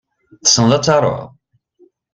Tessneḍ ad taruḍ?